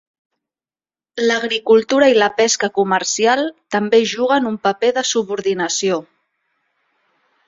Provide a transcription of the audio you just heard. L'agricultura i la pesca comercial també juguen un paper de subordinació.